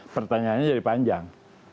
pertanyaannya jadi panjang